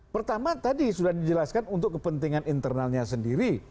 pertama tadi sudah dijelaskan untuk kepentingan internalnya sendiri